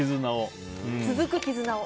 続く絆を。